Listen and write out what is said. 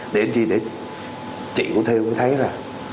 để chị của theo thấy là